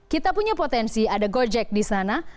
kita punya potensi ada gojek di sana